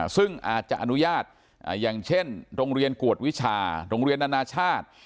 ซึ่งอาจจะอนุญาตอย่างเช่นโรงเรียนกวดวิชาโรงเรียนนานาชาติ